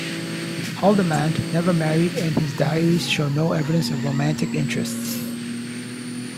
Haldimand never married, and his diaries show no evidence of romantic interests.